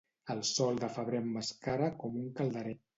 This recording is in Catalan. El sol de febrer emmascara com un calderer.